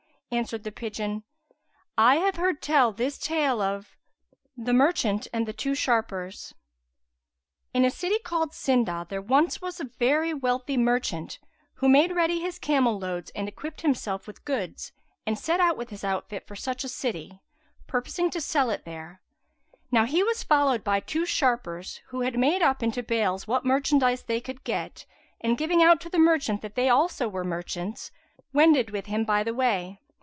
Answered the pigeon:—I have heard tell this tale of The Merchant and the Two Shapers In a city called Sindah there was once a very wealthy merchant, who made ready his camel loads and equipped himself with goods and set out with his outfit for such a city, purposing to sell it there. Now he was followed by two sharpers, who had made up into bales what merchandise they could get; and, giving out to the merchant that they also were merchants, wended with him by the way.